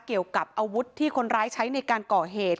เกี่ยวกับอาวุธที่คนร้ายใช้ในการก่อเหตุ